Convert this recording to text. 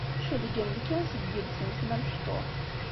Celgen-d kan seg yiles-nsen amecṭuḥ.